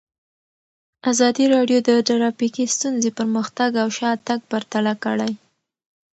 ازادي راډیو د ټرافیکي ستونزې پرمختګ او شاتګ پرتله کړی.